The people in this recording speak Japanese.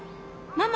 ママ？